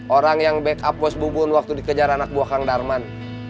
orang yang backup bos bubun waktu dikejar anak buah kang darman